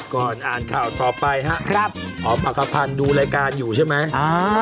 ก่อนอ่านข่าวต่อไปครับอ๋อมอักภัณฑ์ดูรายการอยู่ใช่ไหมอ่า